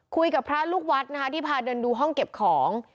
คุยกับพระลูกวัดที่พาเดินดูห้องเก็บของ